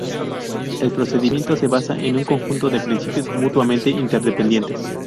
El procedimiento se basa en un conjunto de principios mutuamente interdependientes.